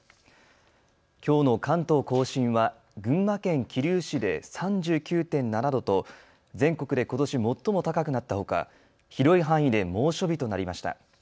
きょうの関東甲信は群馬県桐生市で３９．７度と全国でことし最も高くなったほか広い範囲で猛暑日となりました。